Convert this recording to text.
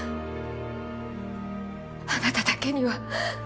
あなただけには。